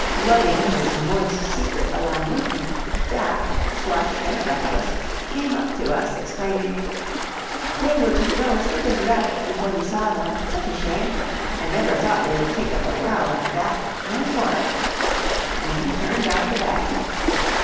Lugging his "moist secret" along with him, Jack, flushed and breathless, came up to us, exclaiming: "They were to grow as big as rabbits before you saw them! Such a shame! I never thought they would kick up a row like that. Now for it!" and he turned out the bag.